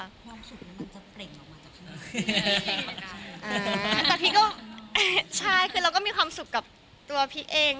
ความสุขมันจะเปล่งออกมาจากข้างแต่พี่ก็เอ๊ะใช่คือเราก็มีความสุขกับตัวพี่เอง